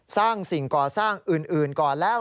สร้างสิ่งก่อสร้างอื่นก่อนแล้ว